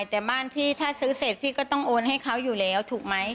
แต่บ้านพี่ถ้าซื้อเสร็จพี่ก็ต้องโอนให้เขาอยู่แล้วถูกไหม